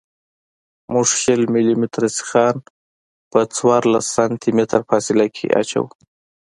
موږ شل ملي متره سیخان په څوارلس سانتي متره فاصله کې اچوو